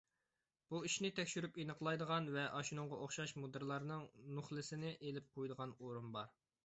بۇ ئىشنى تەكشۈرۈپ ئېنىقلايدىغان ۋە ئاشۇنىڭغا ئوخشاش مۇدىرلارنىڭ نوخلىسىنى ئېلىپ قويىدىغان ئورۇن بار.